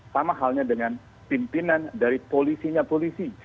sama halnya dengan pimpinan dari polisinya polisi